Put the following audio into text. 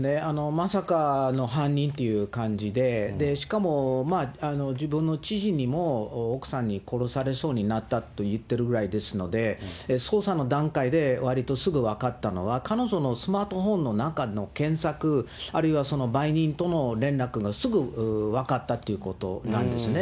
まさかの犯人という感じで、しかも、自分の知人にも奥さんに殺されそうになったと言っているぐらいですので、捜査の段階でわりとすぐ分かったのは、彼女のスマートフォンの中の検索、あるいはその売人との連絡がすぐ分かったということなんですね。